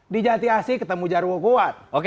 di jatiasi ketemu jarwo kuat